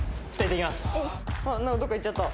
どっか行っちゃった。